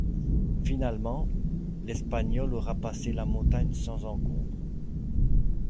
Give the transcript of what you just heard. Finalement, l'Espagnol aura passé la montagne sans encombre.